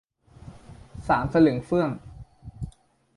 สามสลึงเฟื้อง